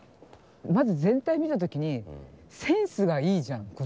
まず全体見た時にセンスがいいじゃん